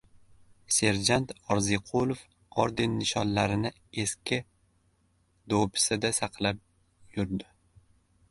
Serjant Orziqulov orden-nishonlarini eski do‘ipisida saqlab yurdi.